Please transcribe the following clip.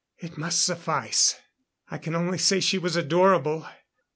It must suffice; I can only say she was adorable.